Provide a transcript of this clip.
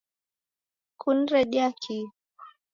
Kuniredia kii?